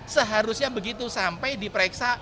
seharusnya begitu sampai diperiksa